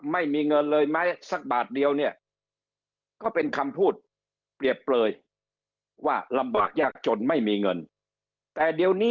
ไม่มีเงินเลยไหมสักบาทเดียวเนี่ย